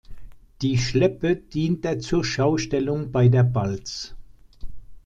Die Schleppe dient der Zurschaustellung bei der Balz.